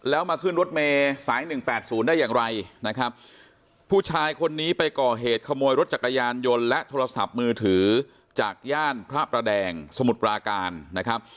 แล้วมาขึ้นรถเมย์สาย๑๘๐ได้อย่างไรนะครับผู้ชายคนนี้ไปก่อเหตุขโมยรถจักรยานยนต์และโทรศัพท์มือถือจากย่านพระประแดงสมุทรปราการนะครับ